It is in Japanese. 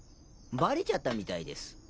バレちゃったみたいです。